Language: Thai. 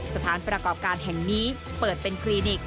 สถานประกอบการแห่งนี้เปิดเป็นคลินิก